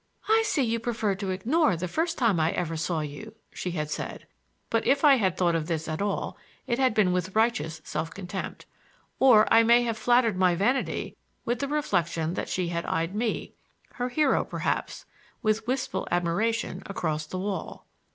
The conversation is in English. "I see you prefer to ignore the first time I ever saw you," she had said; but if I had thought of this at all it had been with righteous self contempt. Or, I may have flattered my vanity with the reflection that she had eyed me— her hero, perhaps—with wistful admiration across the wall.